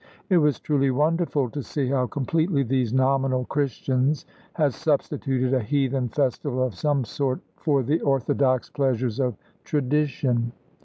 It was truly wonderful to see how completely these nominal Christians had substituted a heathen festival of some sort for the orthodox pleasures of tradition.